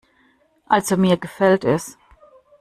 Also mir gefällt es.